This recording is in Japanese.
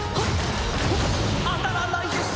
当たらないです。